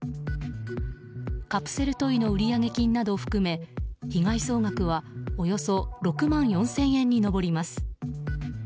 カプセルトイの売上金などを含め被害総額はおよそ６万４０００円に上ります。